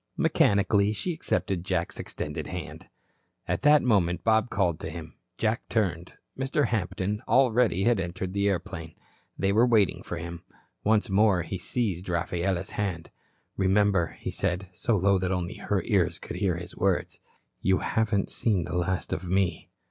Mechanically she accepted Jack's extended hand. At that moment, Bob called to him. Jack turned. Mr. Hampton already had entered the airplane. They were waiting for him. Once more he seized Rafaela's hand. "Remember," he said, so low that only her ears could hear his words, "you haven't seen the last of me."